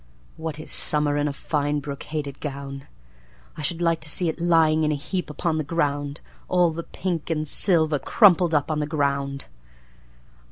What is Summer in a fine brocaded gown!I should like to see it lying in a heap upon the ground. All the pink and silver crumpled up on the ground.